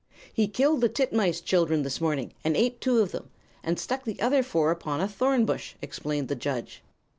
"'He killed the titmice children this morning, and ate two of them, and stuck the other four upon a thorn bush,' explained the judge.